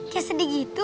kayak sedih gitu